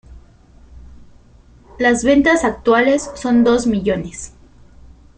Las ventas actuales son dos millones.